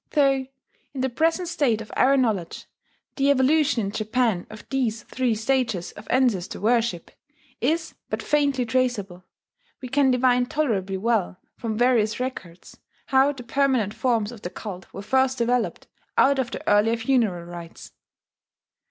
Though, in the present state of our knowledge, the evolution in Japan of these three stages of ancestor worship is but faintly traceable, we can divine tolerably well, from various records, how the permanent forms of the cult were first developed out of the earlier funeral rites.